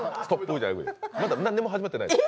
まだなんにも始まってないです。